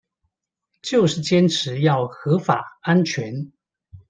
就是堅持要合法安全